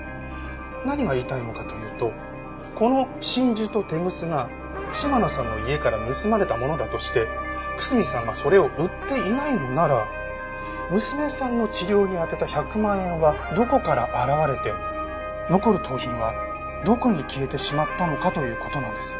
何が言いたいのかというとこの真珠とテグスが嶋野さんの家から盗まれたものだとして楠見さんがそれを売っていないのなら娘さんの治療に充てた１００万円はどこから現れて残る盗品はどこに消えてしまったのかという事なんです。